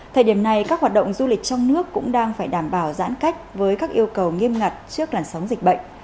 thời điểm này các hoạt động du lịch trong nước cũng đang phải đảm bảo giãn cách với các yêu cầu nghiêm ngặt trước làn sóng dịch bệnh